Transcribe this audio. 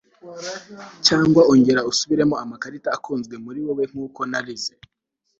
cyangwa ongera usubiremo amakarita akunzwe muri wewe nkuko narize